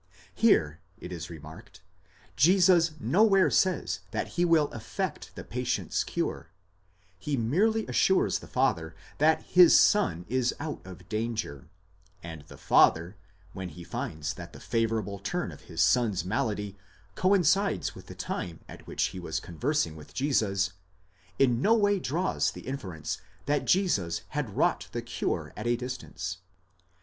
Here, it is remarked, Jesus nowhere says. that he will effect the patient's cure, he merely assures the father that his son is out of danger (ὁ vids σου ζῇ), and the father, when he finds that the favour able turn of his son's malady coincides with the time at which he was con versing with Jesus, in no way draws the inference that Jesus had wrought the cure at a distance.